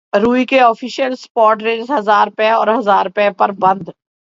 روئی کے official spot rates ہزار روپے اور ہزار روپے پر بند